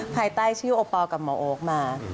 ภายใต้ชื่อโอปอลกับหมอโอ๊คมา